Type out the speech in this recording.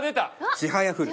『ちはやふる』。